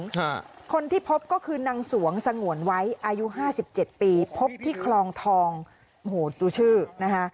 ค่ะคนที่พบก็คือนางสวงสงวนไว้อายุห้าสิบเจ็ดปีพบที่คลองทองโอ้โหดูชื่อนะคะ